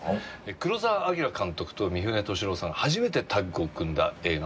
黒澤明監督と三船敏郎さんが初めてタッグを組んだ映画なんですね。